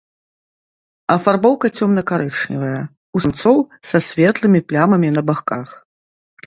Афарбоўка цёмна-карычневая, у самцоў са светлымі плямамі на баках.